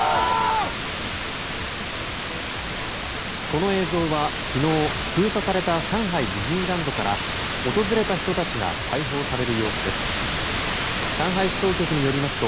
この映像は昨日封鎖された上海ディズニーランドから訪れた人たちが解放される様子です。